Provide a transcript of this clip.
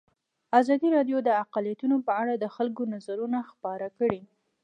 ازادي راډیو د اقلیتونه په اړه د خلکو نظرونه خپاره کړي.